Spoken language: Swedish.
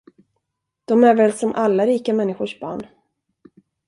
De är väl som alla rika människors barn.